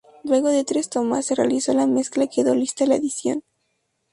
Luego de tres tomas, se realizó la mezcla y quedó lista la edición.